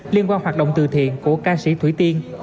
liên quan hoạt động từ thiện của ca sĩ thủy tiên